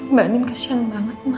mbak andin kesian banget ma